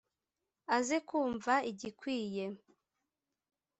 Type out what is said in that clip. aze kumva igikwiye